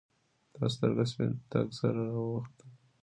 د سترګو سپین تک سره واوختېدل.